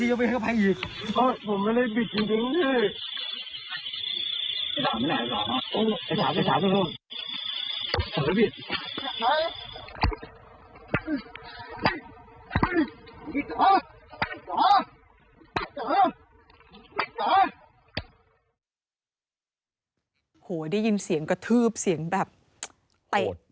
โอ้โหได้ยินเสียงกระทืบเสียงแบบเตะ